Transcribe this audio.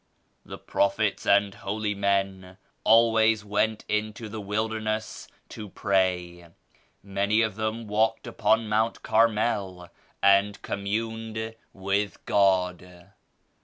"The Prophets and Holy Men always went into the wilderness to pray. Many of them walked upon Mount Carmel and communed with God."